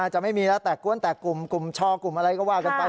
จะไม่มีแล้วแต่กวนแต่กลุ่มช่อกลุ่มอะไรก็ว่ากันไป